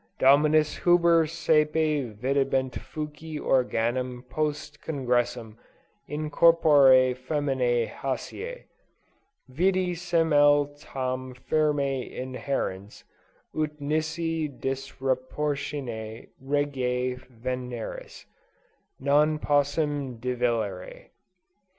Dominus Huber sæpe videbat fuci organum post congressum, in corpore feminæ hæsisse. Vidi semel tam firme inhærens, ut nisi disruptione reginæ ventris, non possim divellere.